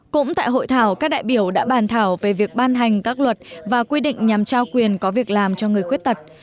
cũng tại hội thảo các đại biểu đã bàn thảo về việc ban hành các luật và quy định nhằm trao quyền có việc làm cho người khuyết tật